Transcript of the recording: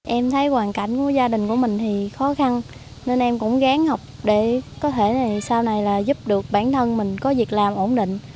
em thấy hoàn cảnh của gia đình của mình thì khó khăn nên em cũng gán học để có thể sau này là giúp được bản thân mình có việc làm ổn định